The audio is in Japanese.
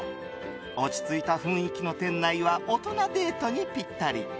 落ち着いた雰囲気の店内は大人デートにぴったり。